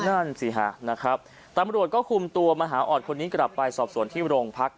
นั่นสิฮะนะครับตำรวจก็คุมตัวมหาออดคนนี้กลับไปสอบส่วนที่โรงพัก